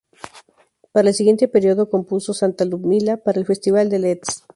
Para el siguiente período compuso "Santa Ludmila" para el Festival de Leeds.